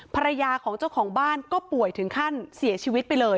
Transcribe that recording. ภรรยาของเจ้าของบ้านก็ป่วยถึงขั้นเสียชีวิตไปเลย